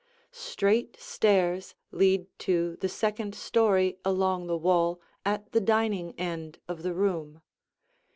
Straight stairs lead to the second story along the wall at the dining end of the room.